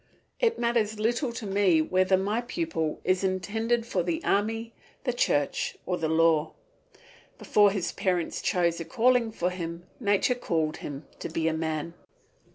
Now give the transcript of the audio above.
It matters little to me whether my pupil is intended for the army, the church, or the law. Before his parents chose a calling for him nature called him to be a man.